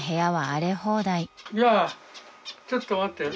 いやちょっと待って。